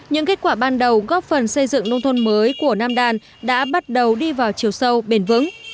những kết quả ban đầu góp phần xây dựng nông thôn mới của nam đàn đã bắt đầu đi vào chiều sâu bền vững